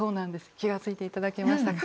気が付いて頂けましたか。